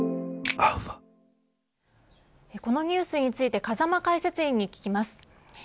このニュースについて風間解説委員に聞きます。